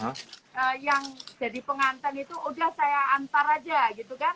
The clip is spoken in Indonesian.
kalau misalkan yang jadi pengantin itu udah saya antar aja gitu kan